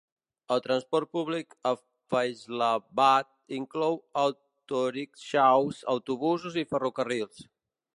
El transport públic a Faisalabad inclou autorickshaws, autobusos i ferrocarrils.